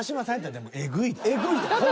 エグいで。